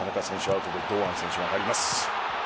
アウトで堂安選手が入ります。